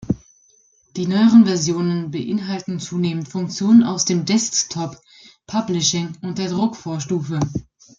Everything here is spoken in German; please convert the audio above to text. Die neueren Versionen beinhalten zunehmend Funktionen aus dem Desktop-Publishing und der Druckvorstufe.